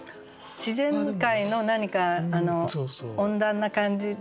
自然界の何か温暖な感じ